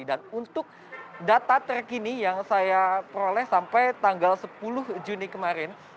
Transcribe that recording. dan untuk data terkini yang saya peroleh sampai tanggal sepuluh juni kemarin